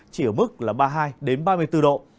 chỉ ở mức là ba mươi hai ba mươi bốn độ